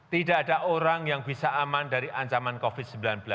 tidak ada orang yang bisa aman dari ancaman covid sembilan belas